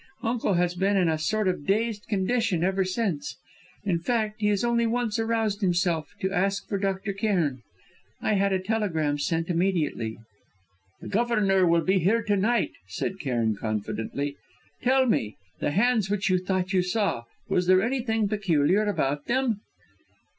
Uncle has been in a sort of dazed condition ever since; in fact he has only once aroused himself, to ask for Dr. Cairn. I had a telegram sent immediately." "The governor will be here to night," said Cairn confidently. "Tell me, the hands which you thought you saw: was there anything peculiar about them?"